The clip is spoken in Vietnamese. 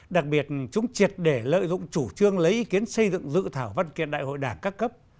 đặc biệt chúng triệt để lợi dụng chủ trương lấy ý kiến xây dựng dự thảo văn kiện đại hội đảng các cấp